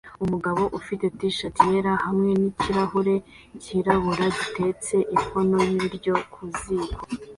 Umugabo ufite T-shati yera hamwe nikirahure cyirabura gitetse inkono y'ibiryo ku ziko